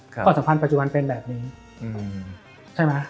ก็สัมพันธ์ปัจจุบันเป็นแบบนี้